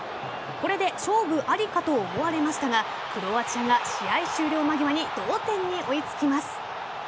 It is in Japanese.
これで勝負ありかと思われましたがクロアチアが試合終了間際に同点に追いつきます。